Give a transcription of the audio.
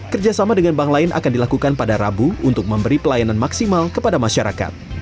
kerjasama dengan bank lain akan dilakukan pada rabu untuk memberi pelayanan maksimal kepada masyarakat